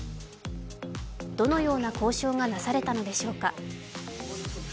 どのような交渉がなされたのでしょうか。